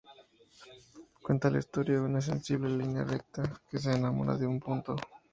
Cuenta la historia de una sensible línea recta que se enamora de un punto.